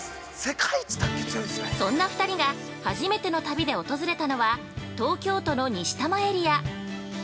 そんな２人が初めての旅で訪れたのは東京都の西多摩エリア。